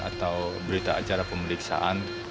atau berita acara pemeriksaan